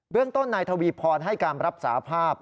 เรื่องต้นนายทวีพรให้การรับสาภาพ